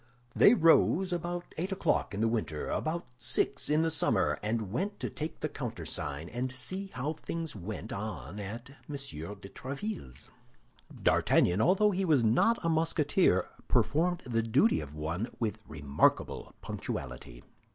They rose about eight o'clock in the winter, about six in summer, and went to take the countersign and see how things went on at M. de Tréville's. D'Artagnan, although he was not a Musketeer, performed the duty of one with remarkable punctuality.